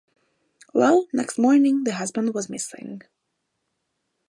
Well, next morning, the husband was missing.